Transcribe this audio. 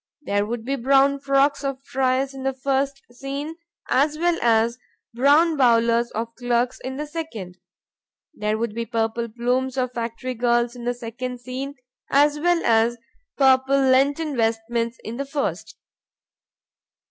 There would be brown frocks of friars in the first scene as well as brown bowlers of clerks in the second. There would be purple plumes of factory girls in the second scene as well as purple lenten vestments in the first.